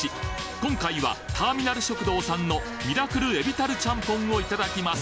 今回はターミナル食堂さんのミラクル海老タルちゃんぽんをいただきます